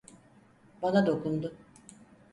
Bana dokundu.